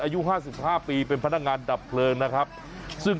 อายุ๕๕ปีเป็นพนักงานดับเพลิง